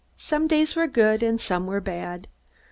Some days were good, and some were bad.